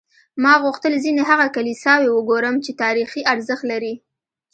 ما غوښتل ځینې هغه کلیساوې وګورم چې تاریخي ارزښت لري.